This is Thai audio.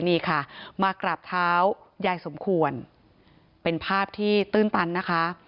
นี่ค่ะมากราบเท้ายายสมควรเป็นภาพที่ตื้นตันนะคะ